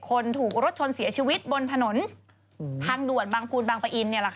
คนถูกรถชนเสียชีวิตบนถนนทางด่วนบางภูนบางปะอิน